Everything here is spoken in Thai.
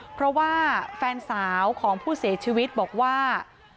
เพราะว่าแฟนสาวของผู้เสียชีวิตบอกว่า